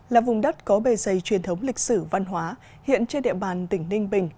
là vùng đất có bề dày truyền thống lịch sử văn hóa hiện trên địa bàn tỉnh ninh bình